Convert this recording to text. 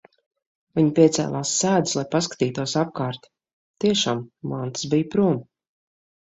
Viņa piecēlās sēdus, lai paskatītos apkārt. Tiešām, mantas bija prom.